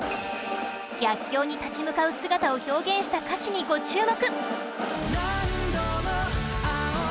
逆境に立ち向かう姿を表現した歌詞に、ご注目！